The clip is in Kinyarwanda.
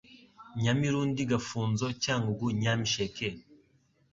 Nyamirundi Gafunzo Cyangugu Nyamsheke